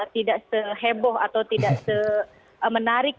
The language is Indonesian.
tidak seheboh atau tidak semenarik